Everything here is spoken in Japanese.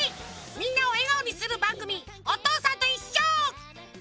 みんなをえがおにするばんぐみ「おとうさんといっしょ」！